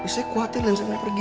saya khawatir lin saya mau pergi